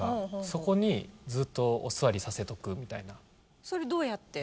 そこにずっとお座りさせとくみたいなそれどうやって？